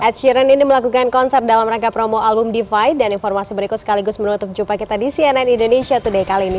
ed sheeran ini melakukan konser dalam rangka promo album divide dan informasi berikut sekaligus menutup jumpa kita di cnn indonesia today kali ini